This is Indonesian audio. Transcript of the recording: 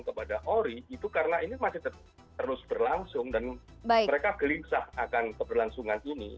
kepada ori itu karena ini masih terus berlangsung dan mereka gelinsah akan keberlangsungan ini